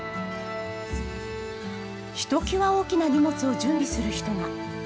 ひときわ大きな荷物を準備する人が。